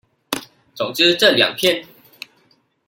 總之這兩篇